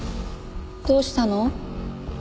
どうしたの？